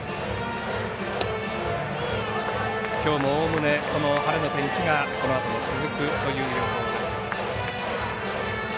きょうも、おおむねこの晴れの天気がこのあとも続くという予報です。